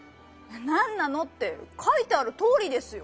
なんなの？ってかいてあるとおりですよ。